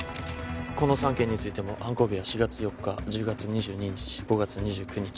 この３件についても犯行日は４月４日１０月２２日５月２９日。